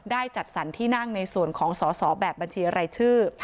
จัดสรรที่นั่งในส่วนของสอสอแบบบัญชีรายชื่อ